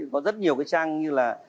có rất nhiều cái trang như là